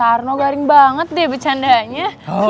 pak tarno garing banget deh bercandanya